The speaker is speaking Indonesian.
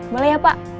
boleh ya pak